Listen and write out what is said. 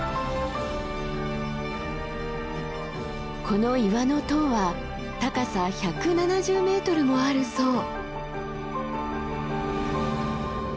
この岩の塔は高さ１７０ｍもあるそう。